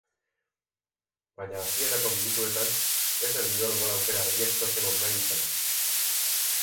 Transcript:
Baina hasierako minutuetan ez zen inor gol aukera argiak sortzeko gai izan.